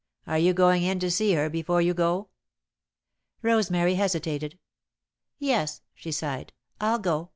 Are you going in to see her before you go?" Rosemary hesitated. "Yes," she sighed, "I'll go.